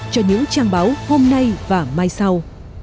cho những trang báo hôm nay và mai sau